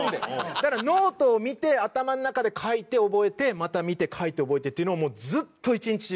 だからノートを見て頭の中で書いて覚えてまた見て書いて覚えてっていうのをずっと一日中。